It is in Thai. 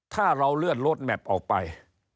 ถ้าเราเลื่อนรถแมพออกไป